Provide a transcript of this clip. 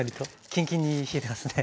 キンキンに冷えてますね。